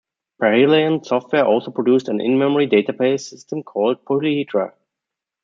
Perihelion Software also produced an in-memory database system called Polyhedra.